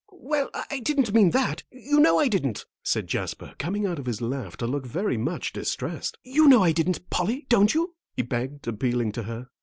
"Well, I didn't mean that; you know I didn't," said Jasper, coming out of his laugh to look very much distressed. "You know I didn't, Polly, don't you?" he begged, appealing to her.